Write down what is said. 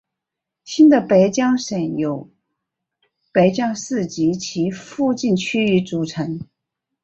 新的北江省由北江市及其附近区域组成。